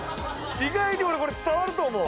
意外にこれ伝わると思う。